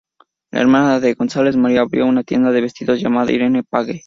La hermana de Gonzales, Maria, abrió una tienda de vestidos llamada Irene Page.